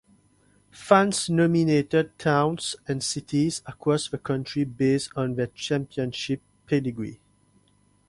Fans nominated towns and cities across the country based on their championship pedigree.